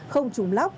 không trùm lóc